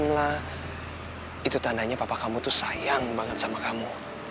nah itu tandanya papa kamu tuh sayang banget sama kamu